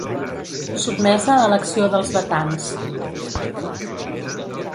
Sotmesa a l'acció dels batans.